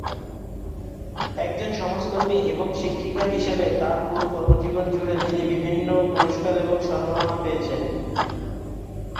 একজন সমাজকর্মী এবং শিক্ষিকা হিসাবে তার পুরো কর্মজীবন জুড়ে তিনি বিভিন্ন পুরস্কার এবং সম্মাননা পেয়েছেন।